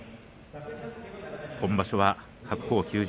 今場所は白鵬休場。